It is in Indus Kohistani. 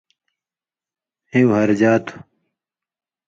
ہیُو ہرژا تُھو۔